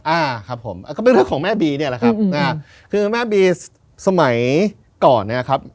อ่าครับผมอ่าก็เป็นเรื่องของแม่บีเนี่ยแหละครับอ่าคือแม่บีสมัยก่อนเนี้ยครับ